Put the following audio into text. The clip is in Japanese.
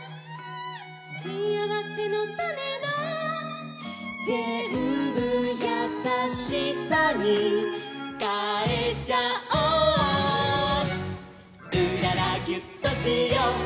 「しあわせのたねだ」「ぜんぶやさしさにかえちゃおう」「うららギュッとしよう」「」